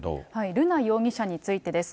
瑠奈容疑者についてです。